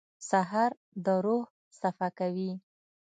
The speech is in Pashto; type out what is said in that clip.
سهار د روح صفا کوي.